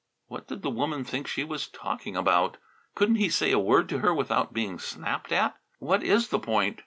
What did the woman think she was talking about? Couldn't he say a word to her without being snapped at? "What is the point?"